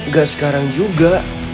ga sekarang juga